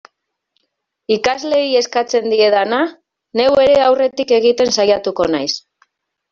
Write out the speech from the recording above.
Ikasleei eskatzen diedana, neu ere aurretik egiten saiatuko naiz.